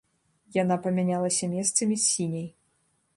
Яна памянялася месцамі з сіняй.